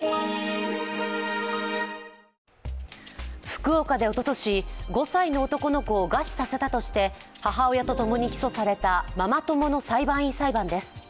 福岡でおととし、５歳の男の子を餓死させたとして母親と共に起訴されたママ友の裁判員裁判です。